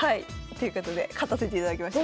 ということで勝たせていただきました。